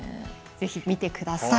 是非見てください。